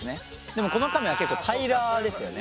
でもこのカメは結構平らですよね。